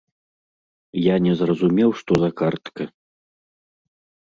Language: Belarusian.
Я не зразумеў, што за картка.